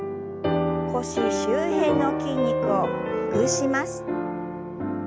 腰周辺の筋肉をほぐします。